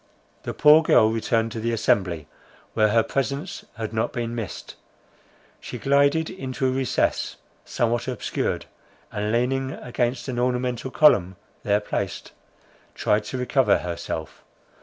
The poor girl returned to the assembly, where her presence had not been missed. She glided into a recess somewhat obscured, and leaning against an ornamental column there placed, tried to recover herself.